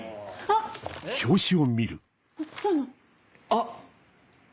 あっ！